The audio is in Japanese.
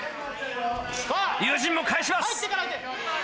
龍心も返します。